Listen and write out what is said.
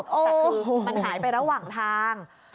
แต่คือมันหายไประหว่างทาง